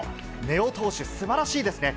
根尾投手、すばらしいですね。